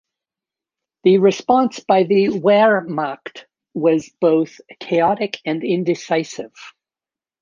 The response by the "Wehrmacht" was both chaotic and indecisive.